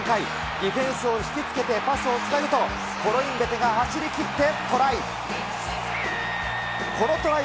ディフェンスを引きつけてパスをつなぐと、コロインベテがパスを受けてトライ。